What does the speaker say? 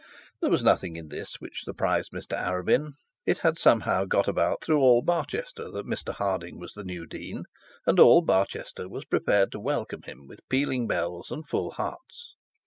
There was nothing in this which surprised Mr Arabin. It had somehow got about through all bah that Mr Harding was the new dean, and all Barchester was prepared to welcome him with pealing bells and full hearts.